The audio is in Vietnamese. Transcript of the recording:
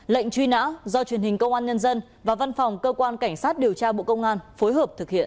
lệnh truy nã do truyền hình công an nhân dân và văn phòng cơ quan cảnh sát điều tra bộ công an phối hợp thực hiện